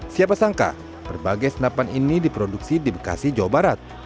siapa sangka berbagai senapan ini diproduksi di bekasi jawa barat